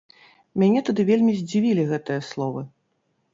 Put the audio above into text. Мяне тады вельмі здзівілі гэтыя словы.